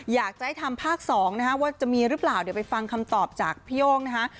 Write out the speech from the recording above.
อยากจะให้ทำภาค๒นะฮะว่าจะมีหรือเปล่าเดี๋ยวไปฟังคำตอบจากพี่โย่งนะคะ